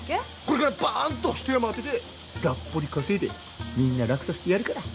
これからバーンと一山当ててがっぽり稼いでみんな楽させてやるから。